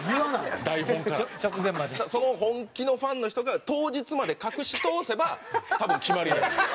その本気のファンの人が当日まで隠し通せば多分決まりになるんですよ。